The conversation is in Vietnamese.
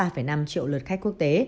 ba năm triệu lượt khách quốc tế